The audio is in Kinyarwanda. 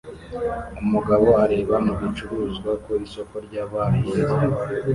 Umugabo areba mu bicuruzwa ku Isoko ry'Abahinzi